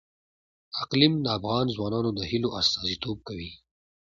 اقلیم د افغان ځوانانو د هیلو استازیتوب کوي.